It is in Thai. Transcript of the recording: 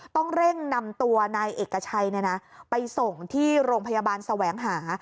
ต้องเร่งนำตัวนายเอกชัยไปส่งที่โรงพยาบาลแสวงหา